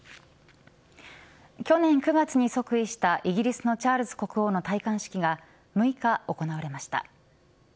去年９月に即位したイギリスのチャールズ国王の戴冠式が６日、行われました。